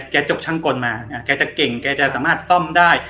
จบช่างกลมาแกจะเก่งแกจะสามารถซ่อมได้